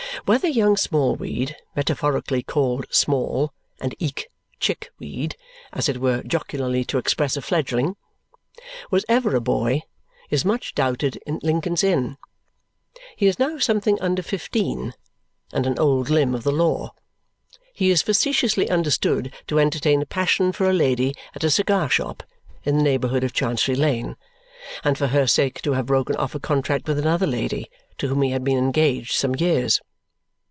Whether Young Smallweed (metaphorically called Small and eke Chick Weed, as it were jocularly to express a fledgling) was ever a boy is much doubted in Lincoln's Inn. He is now something under fifteen and an old limb of the law. He is facetiously understood to entertain a passion for a lady at a cigar shop in the neighbourhood of Chancery Lane and for her sake to have broken off a contract with another lady, to whom he had been engaged some years.